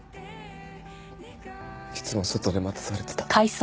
いつも外で待たされてた。